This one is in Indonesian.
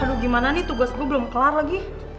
aduh gimana nih tugas gue belum kelar lagi